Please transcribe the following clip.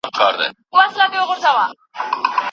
دغه نرمغالی دونه تېز دی چي عقل یې نه مني.